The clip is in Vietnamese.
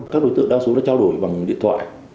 các đối tượng đa số đã trao đổi bằng điện thoại